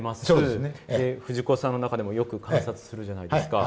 で藤子さんの中でもよく観察するじゃないですか。